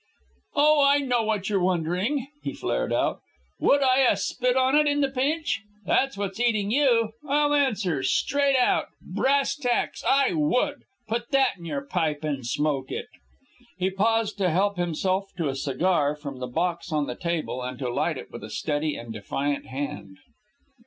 "Oh, I know what you're wondering!" he flared out. "Would I a spit on it in the pinch? That's what's eating you. I'll answer. Straight out, brass tacks, I WOULD. Put that in your pipe and smoke it." He paused to help himself to a cigar from the box on the table and to light it with a steady and defiant hand.